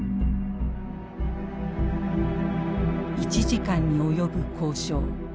１時間に及ぶ交渉。